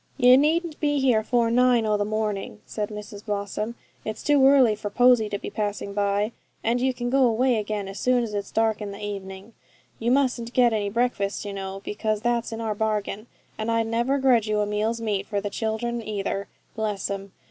'You needn't be here afore nine o' the morning,' said Mrs Blossom; 'it's too early for Posy to be passing by; and you can go away again as soon as it's dark in the evening. You mustn't get any breakfast, you know, because that's in our bargain; and I'd never grudge you a meal's meat for the children either, bless 'em!